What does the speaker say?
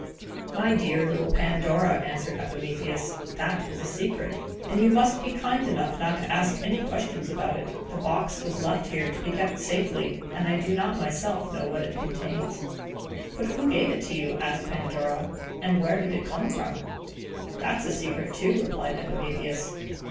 "My dear little Pandora," answered Epimetheus, "that is a secret, and you must be kind enough not to ask any questions about it. The box was left here to be kept safely, and I do not myself know what it contains." "But who gave it to you?" asked Pandora. "And where did it come from?" "That is a secret, too," replied Epimetheus.